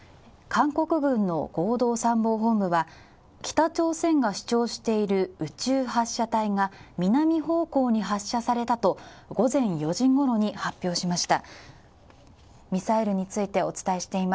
韓国軍の合同参謀本部は北朝鮮が主張している宇宙発射体が南方向に発射されたと午前４時ごろに発表しました。